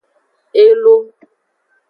Elo.